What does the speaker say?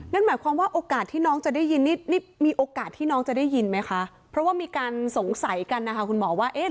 นั่นหมายความว่าโอกาสที่น้องจะได้ยินนี่มีโอกาสที่น้องจะได้ยินไหมคะเพราะว่ามีการสงสัยกันนะคะคุณหมอว่า